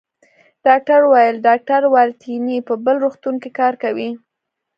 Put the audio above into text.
ډاکټر وویل: ډاکټر والنتیني په بل روغتون کې کار کوي.